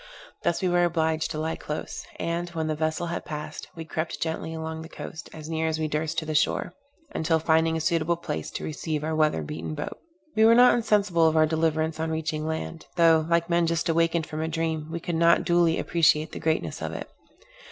Thus we were obliged to lie close; and, when the vessel had passed, we crept gently along the coast, as near as we durst to the shore, until finding a suitable place to receive our weather beaten boat. We were not insensible of our deliverance on reaching land; though, like men just awakened from a dream, we could not duly appreciate the greatness of it.